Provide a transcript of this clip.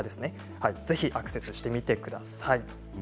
ぜひアクセスしてみてください。